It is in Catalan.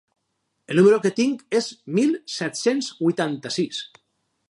El numero que tinc és mil set-cents vuitanta-sis.